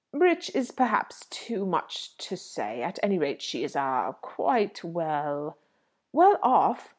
"Rich is, perhaps, too much to say. At any rate, she is a quite well " "Well off?